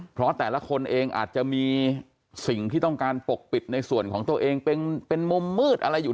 เพราะแต่ละคนเองอาจจะมีสิ่งที่ต้องการปกปิดในส่วนของตัวเองเป็นมุมมืดอะไรอยู่